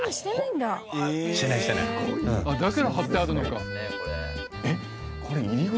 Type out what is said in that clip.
だから貼ってあるのか。